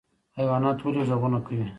حیوانات ولې غږونه کوي؟